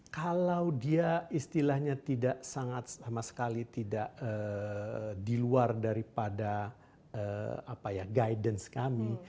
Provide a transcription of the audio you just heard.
kalau dia istilahnya tidak sangat sama sekali tidak diluar daripada apa ya guidance kami